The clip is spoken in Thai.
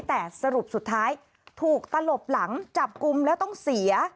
แต่สรุปสุดท้ายถูกตลบหลังจับกลุ่มแล้วต้องเสีย